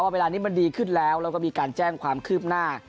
เวลานี้มันดีขึ้นแล้วแล้วก็มีการแจ้งความคืบหน้า